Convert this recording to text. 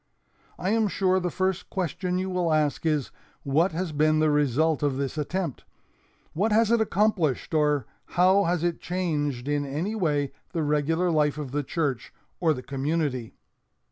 "I am sure the first question you will ask is, 'What has been the result of this attempt? What has it accomplished or how has it changed in any way the regular life of the church or the community?'